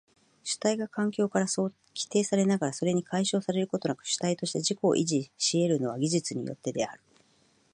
主体が環境から規定されながらそれに解消されることなく主体として自己を維持し得るのは技術によってである。